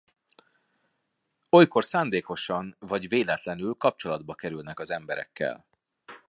Olykor szándékosan vagy véletlenül kapcsolatba kerülnek az emberekkel.